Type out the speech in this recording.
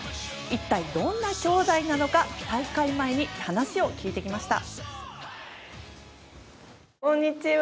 一体どんな姉弟なのか大会前に話を聞いてきました。